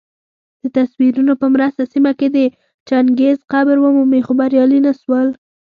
دتصویرونو په مرسته سیمه کي د چنګیز قبر ومومي خو بریالي نه سول